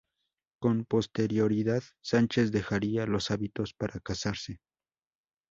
Con posterioridad Sánchez dejaría los hábitos para casarse.